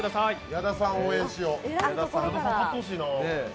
矢田さん応援しよう。